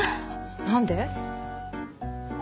何で？